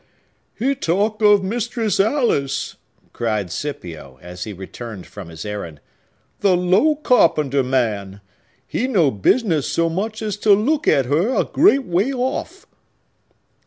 "He talk of Mistress Alice!" cried Scipio, as he returned from his errand. "The low carpenter man! He no business so much as to look at her a great way off!"